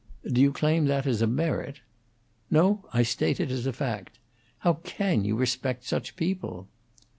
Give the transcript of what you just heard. "Do you claim that as a merit?" "No, I state it as a fact. How can you respect such people?"